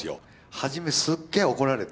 初めすっげえ怒られて。